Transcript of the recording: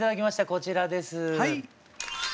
こちらです。